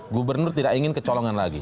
gubernur tidak ingin kecolongan lagi